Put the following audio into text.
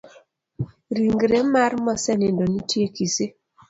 Rigre mar mosenindo nitie kisii.